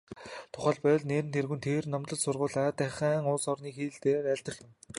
Тухайлбал, нэн тэргүүнд тэд номлол сургаалаа тухайн улс орных нь хэл дээр айлдах юм.